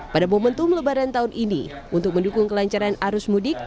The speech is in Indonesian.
pada momentum lebaran tahun ini untuk mendukung kelancaran arus mudik